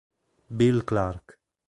Bill Clark